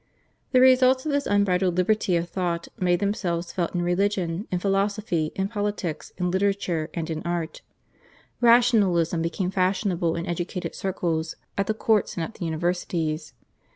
The results of this unbridled liberty of thought made themselves felt in religion, in philosophy, in politics, in literature, and in art. Rationalism became fashionable in educated circles, at the courts, and at the universities.